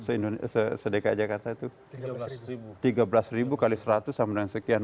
tiga belas x seratus sama dengan sekian